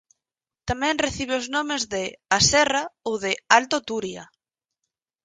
Tamén recibe os nomes de "A Serra" ou de "Alto Turia".